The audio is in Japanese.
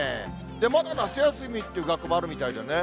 まだ夏休みという学校もあるみたいでね。